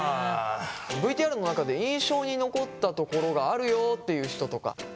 ＶＴＲの中で印象に残ったところがあるよっていう人とか？